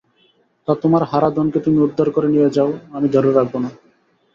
তা তোমার হারাধনকে তুমি উদ্ধার করে নিয়ে যাও, আমি ধরে রাখব না।